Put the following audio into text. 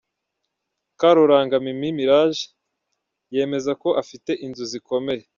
Karuranga Mimi Mirage yemeza ko afite inzu zikomeye.